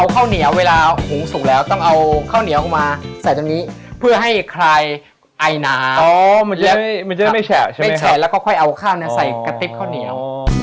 ไม่แชะแล้วก็ค่อยเอาข้าวในใส่กะติ๊บข้าวเหนียว